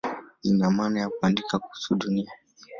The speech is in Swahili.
Lina maana ya "kuandika kuhusu Dunia".